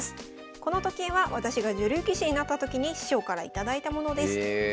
この時計は私が女流棋士になった時に師匠から頂いたものです。